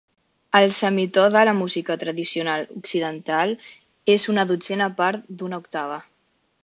El semitò de la música tradicional occidental és una dotzena part d'una octava.